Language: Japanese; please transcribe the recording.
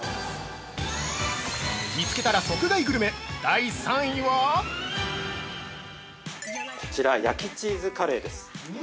◆見つけたら即買いグルメ、第３位は◆こちら、焼チーズカレーです。